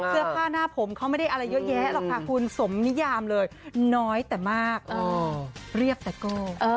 เสื้อผ้าหน้าผมเขาไม่ได้อะไรเยอะแยะหรอกค่ะคุณสมนิยามเลยน้อยแต่มากเรียกแต่โก้